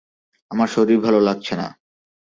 আমার শরীর ভালো লাগছে না।